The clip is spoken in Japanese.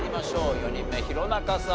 ４人目弘中さん